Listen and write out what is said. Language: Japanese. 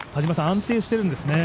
安定しているんですね。